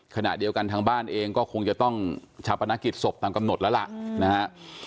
ขณะเดียวกันทางบ้านเองก็คงจะต้องชาปนกิจศพตามกำหนดแล้วล่ะนะฮะ